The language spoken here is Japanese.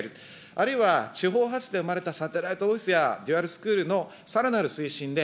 あるいは地方発で生まれたサテライトオフィスやデュアルスクールのさらなる推進で、